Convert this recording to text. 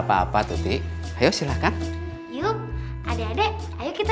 maaf yuh pak hoi nya telat